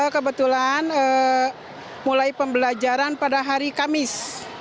kebetulan mulai pembelajaran pada hari kamis